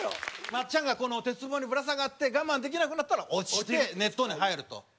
松ちゃんが鉄棒にぶら下がって我慢できなくなったら落ちて熱湯に入ると。